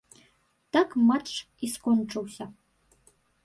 Так матч і скончыўся.